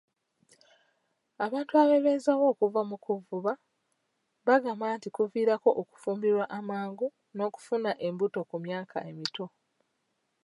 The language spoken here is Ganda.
Abantu abebeezaawo okuva mu kuvuba bagamba nti kuviirako okufumbirwa amangu n'okufuna embuto ku myaka emito.